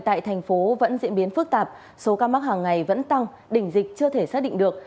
tại thành phố vẫn diễn biến phức tạp số ca mắc hàng ngày vẫn tăng đỉnh dịch chưa thể xác định được